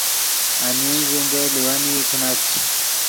انیم ژینگے لیوینئی کینت